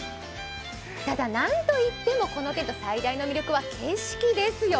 ただ、何といってもこのテント最大の魅力は景色ですよ。